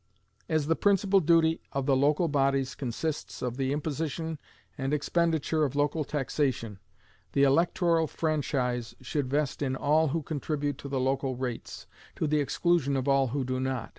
As the principal duty of the local bodies consists of the imposition and expenditure of local taxation, the electoral franchise should vest in all who contribute to the local rates, to the exclusion of all who do not.